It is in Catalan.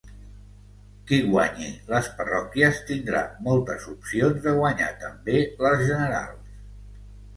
Qui guanyi les parròquies tindrà moltes opcions de guanyar també les generals.